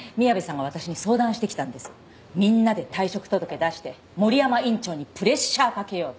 みんなで退職届出して森山院長にプレッシャーかけようって。